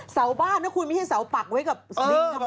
สาวบ้านเนี่ยคุณไม่ใช่สาวปักไว้กับนิ่งธรรมดา